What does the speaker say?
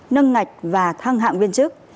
nâng ngạch và thăng hạng viên chức